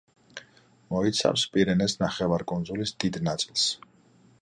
მოიცავს პირენეს ნახევარკუნძულის დიდ ნაწილს.